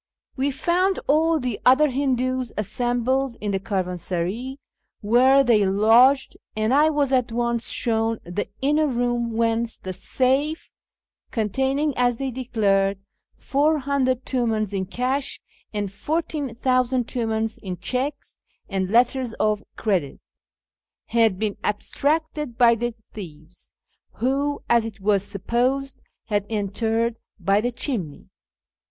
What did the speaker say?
We found all the other Hindoos assembled in the caravansaray where they lodged, and I was at once shown the inner room whence the safe (containing, as they declared, 400 tumcins in cash, and 14,000 Piimdns in cheques and letters of credit) had been abstracted by the thieves, who, as it was supposed, had entered by the chimney.